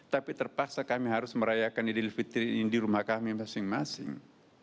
tapi terpaksa kami harus merayakan idul fitri ini di rumah kami masing masing